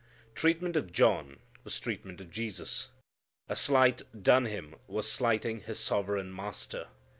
Treatment of John was treatment of Jesus. A slight done him was slighting his sovereign Master.